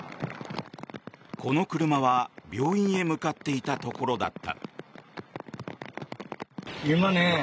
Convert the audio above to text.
この車は病院へ向かっていたところだった。